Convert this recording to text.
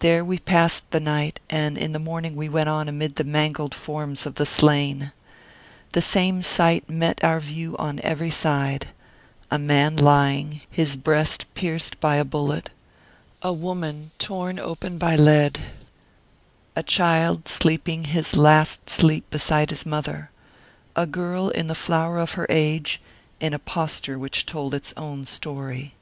There we passed the night, and in the morning we went on amid the mangled forms of the slain. The same sight met our view on every side; a man lying, his breast pierced by a bullet ; a woman torn open by lead ; a child sleeping his last sleep beside his mother; a girl in the flower of her age, in a posture which told its own story.